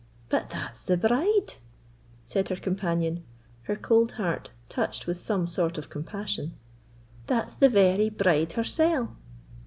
"But that's the bride!" said her companion, her cold heart touched with some sort of compassion—"that's the very bride hersell!